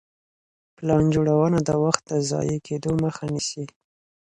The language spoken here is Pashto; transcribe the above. پلان جوړونه د وخت د ضايع کيدو مخه نيسي.